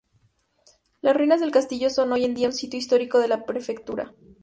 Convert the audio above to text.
Las ruinas del castillo son hoy en día un sitio histórico de la prefectura.